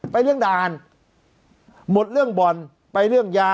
เรื่องด่านหมดเรื่องบ่อนไปเรื่องยา